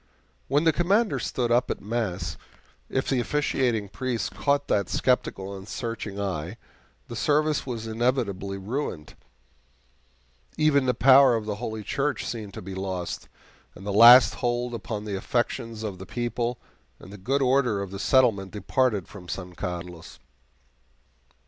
When the Commander stood up at mass, if the officiating priest caught that skeptical and searching eye, the service was inevitably ruined. Even the power of the Holy Church seemed to be lost, and the last hold upon the affections of the people and the good order of the settlement departed from San Carlos.